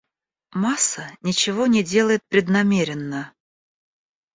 Масса ничего не делает преднамеренно.